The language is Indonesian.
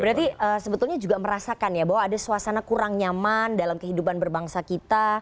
berarti sebetulnya juga merasakan ya bahwa ada suasana kurang nyaman dalam kehidupan berbangsa kita